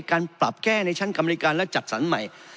การปรับแก้ในชั้นกรรมนิการและจัดสรรใหม่